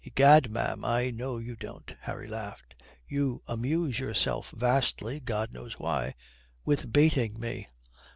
"Egad, ma'am, I know you don't." Harry laughed. "You amuse yourself vastly (God knows why) with baiting me."